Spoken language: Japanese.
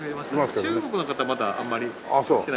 中国の方まだあんまり来てないと思います。